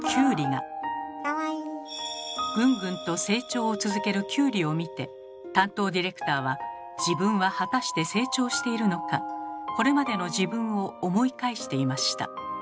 ぐんぐんと成長を続けるキュウリを見て担当ディレクターは「自分は果たして成長しているのか？」これまでの自分を思い返していました。